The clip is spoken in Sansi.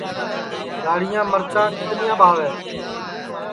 گاڑِھیاں مِرچاں کِترِیاں ٻاہوے